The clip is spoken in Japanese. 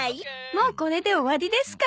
もうこれで終わりですから。